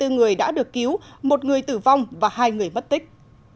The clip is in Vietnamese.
hai mươi người đã được cứu một người tử vong và hai người mất tích